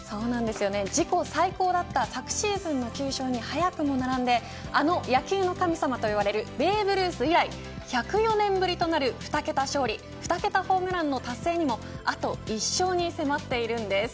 自己最高だった昨シーズンの９勝に早くも並んであの野球の神様といわれるベーブ・ルース以来１０４年ぶりとなる２桁勝利２桁ホームランの達成にもあと１勝に迫っています。